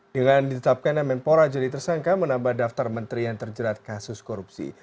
dengan ditetapkan menpora jadi tersangka menambah daftar menteri yang terjerat kasus korupsi